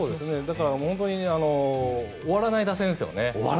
だから本当に終わらない打線ですよね。